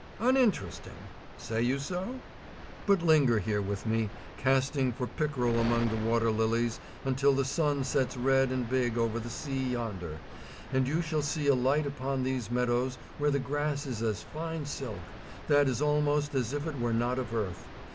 Uninteresting! Say you so? But linger here with me, casting for pickerel among the water lilies until the sun sets red and big over the sea yonder, and you shall see a light upon these meadows where the grass is as fine silk, that is almost as if it were not of earth.